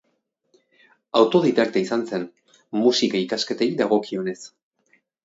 Autodidakta izan zen, musika-ikasketei dagokionez.